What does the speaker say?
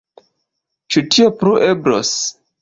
Ĉu tio plu eblos?